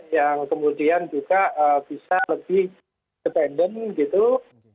yang kemudian juga bisa lebih independen gitu